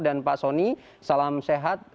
dan pak sonny salam sehat